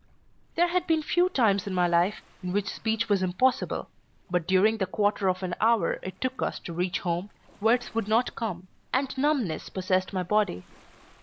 There had been few times in my life in which speech was impossible, but during the quarter of an hour it took us to reach home words would not come, and numbness possessed my body.